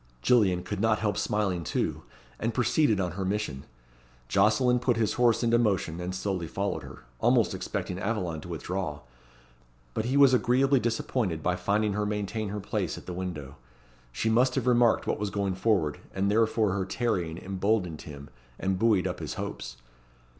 Gillian could not help smiling too, and proceeded on her mission. Jocelyn put his horse into motion, and slowly followed her, almost expecting Aveline to withdraw. But he was agreeably disappointed by finding her maintain her place at the window. She must have remarked what was going forward, and therefore her tarrying emboldened him, and buoyed up his hopes.